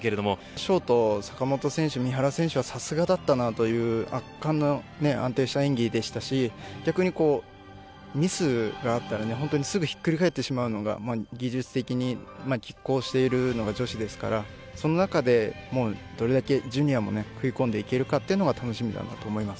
ショート坂本選手、三原選手はさすがだったという圧巻の安定した演技でしたし逆にミスがあったらすぐにひっくり返ってしまうのが技術的にきっ抗しているのが女子ですからその中でどれだけジュニアも食い込んでいけるかというのは楽しみだと思います。